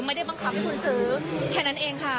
ไม่ได้บังคับให้คุณซื้อแค่นั้นเองค่ะ